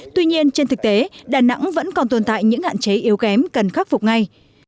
tuy nhiên trên thực tế đà nẵng vẫn còn tồn tại những hạn chế yếu kém cần khắc phục ngay